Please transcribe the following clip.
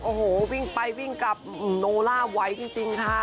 โอ้โหวิ่งไปวิ่งกลับโนล่าไว้จริงค่ะ